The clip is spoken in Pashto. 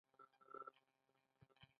یونفورم د پیژندنې نښه ده